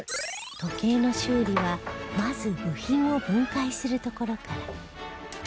時計の修理はまず部品を分解するところから